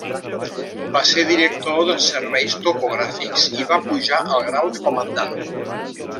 Va ser director dels Serveis Topogràfics i va pujar al grau de comandant.